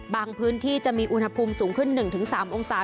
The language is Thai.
พื้นที่จะมีอุณหภูมิสูงขึ้น๑๓องศา